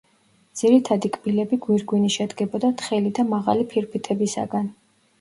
ძირითადი კბილები გვირგვინი შედგებოდა თხელი და მაღალი ფირფიტებისაგან.